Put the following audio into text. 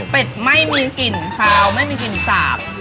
ไม่มีกลิ่นคาวไม่มีกลิ่นสาบ